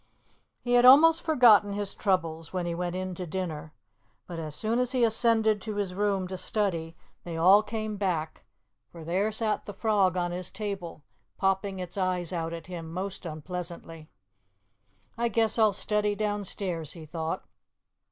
He had almost forgotten his troubles when he went in to dinner, but as soon as he ascended to his room to study they all came back, for there sat the frog on his table, popping its eyes out at him most unpleasantly. "I guess I'll study downstairs," he thought.